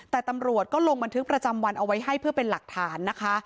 แต่ตำรวจก็ลงบันทึกประจำวันเอาไว้ให้เพื่อเป็นหลักฐานนะคะ